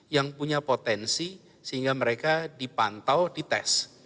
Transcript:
yang punya potensi sehingga mereka dipantau dites